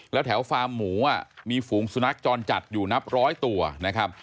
แล้วแถวฟาร์มหมูมีฝูงสุนัขจรจัดอยู่นับร้อยตัวนะครับ